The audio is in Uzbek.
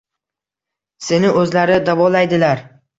Seni o`zlari davolaydilar